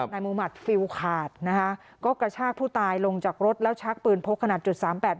นายมุมัติฟิลขาดนะคะก็กระชากผู้ตายลงจากรถแล้วชักปืนพกขนาดจุดสามแปด